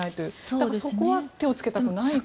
だから、そこは手をつけたくないという。